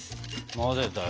混ぜたよ。